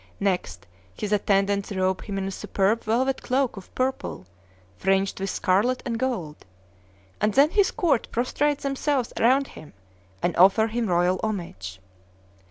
Next his attendants robe him in a superb velvet cloak of purple, fringed with scarlet and gold; and then his court prostrate themselves around him, and offer him royal homage.